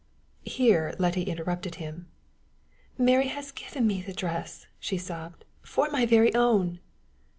Here Letty interrupted him. "Mary has given me the dress," she sobbed, " for my very own."